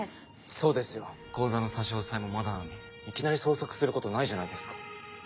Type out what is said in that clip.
そうですよ口座の差し押さえもまだなのにいきなり捜索することないじゃないですか。